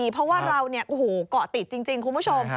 เพราะว่าเราเกาะติดจริงคุณผู้ชม